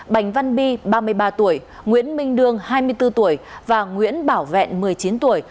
bành văn bi ba mươi ba tuổi nguyễn minh đương hai mươi bốn tuổi và nguyễn bảo vẹn một mươi chín tuổi